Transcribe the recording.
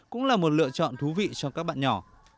cũng là một lựa chọn thú vị cho các bạn nhỏ